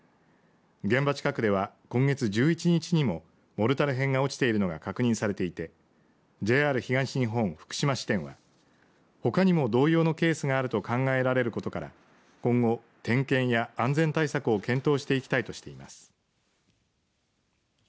現場近くでは今月１１日にもモルタル片が落ちているのが確認されていてＪＲ東日本福島支店はほかにも同様のケースがあると考えられることから今後、点検や安全対策を検討していきたいとしています。